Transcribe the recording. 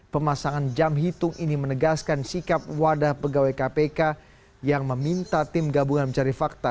pemasangan jam hitung ini menegaskan sikap wadah pegawai kpk yang meminta tim gabungan mencari fakta